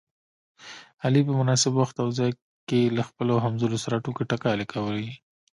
علي په مناسب وخت او ځای کې له خپلو همځولو سره ټوکې ټکالې کوي.